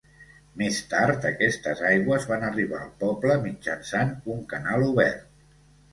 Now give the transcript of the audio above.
Més tard aquestes aigües van arribar al poble mitjançant un canal obert.